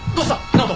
直人。